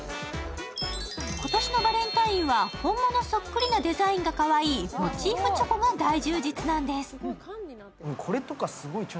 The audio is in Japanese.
今年のバレンタインは本物そっくりなデザインがかわいいモチーフチョコが大充実なんです。